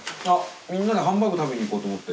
みんなでハンバーグ食べに行こうと思って。